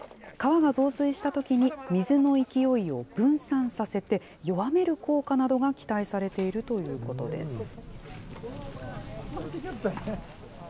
川が増水したときに水の勢いを分散させて、弱める効果などが期待されているということです。